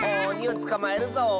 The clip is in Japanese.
おにをつかまえるぞ。